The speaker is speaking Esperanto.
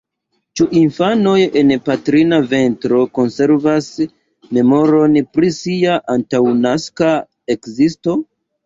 Ĉu infanoj en patrina ventro konservas memoron pri sia antaŭnaska ekzisto?